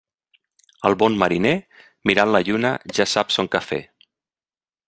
El bon mariner, mirant la lluna ja sap son quefer.